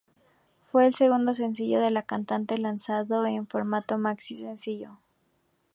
Fue el segundo sencillo de la cantante lanzado en formato maxi sencillo.